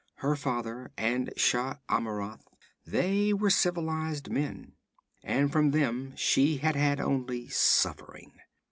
Her father, and Shah Amurath, they were civilized men. And from them she had had only suffering.